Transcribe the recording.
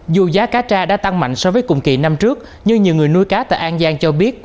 dù giá cá tra đã tăng mạnh so với cùng kỳ năm trước nhưng nhiều người nuôi cá tại an giang cho biết